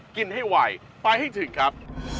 กินให้ไวไปให้ถึงครับ